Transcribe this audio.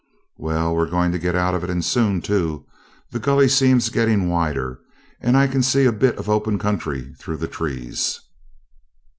'Well, we're going to get out of it, and soon too. The gully seems getting wider, and I can see a bit of open country through the trees.'